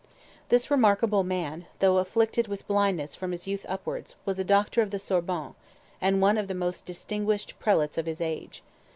This remarkable man, though afflicted with blindness from his youth upwards, was a doctor of the Sorbonne, and one of the most distinguished Prelates of his age.